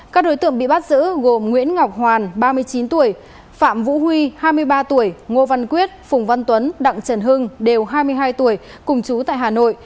các đối tượng bị bắt giữ gồm nguyễn ngọc hoàn ba mươi chín tuổi phạm vũ huy hai mươi ba tuổi ngô văn quyết phùng văn tuấn đặng trần hưng đều hai mươi hai tuổi cùng chú tại hà nội